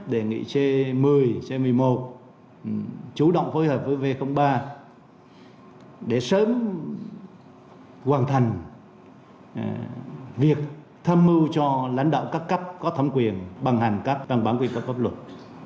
đề nghị c một mươi c một mươi một chú động phối hợp với v ba để sớm hoàn thành việc thâm mưu cho lãnh đạo các cấp có thấm quyền bằng hành cấp bằng bản quyền có cấp luật